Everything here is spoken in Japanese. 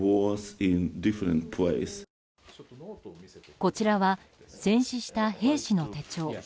こちらは戦死した兵士の手帳。